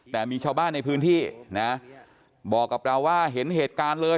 แต่มีชาวบ้านในพื้นที่นะบอกกับเราว่าเห็นเหตุการณ์เลย